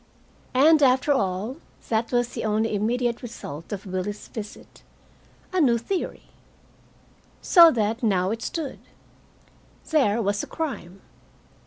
And, after all, that was the only immediate result of Willie's visit a new theory! So that now it stood: there was a crime.